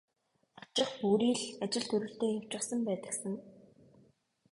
Очих бүрий л ажил төрөлтэй явчихсан байдаг сан.